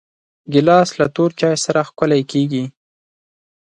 ګیلاس له تور چای سره ښکلی کېږي.